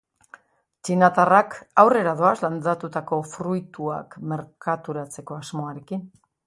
Txinatarrak aurrera doaz landatutako fruituak merkaturatzeko asmoarekin.